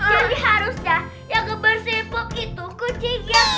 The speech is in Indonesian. jadi harusnya yang bersihin pup itu kucingnya